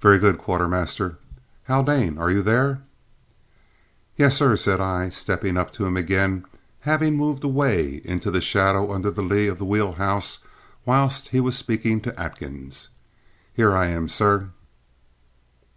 "Very good, quartermaster. Haldane, are you there?" "Yes, sir," said I, stepping up to him again, having moved away into the shadow under the lee of the wheel house whilst he was speaking to Atkins. "Here I am, sir."